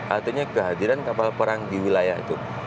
artinya kehadiran kapal perang di wilayah itu